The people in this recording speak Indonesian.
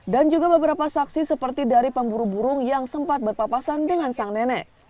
dan juga beberapa saksi seperti dari pemburu burung yang sempat berpapasan dengan sang nenek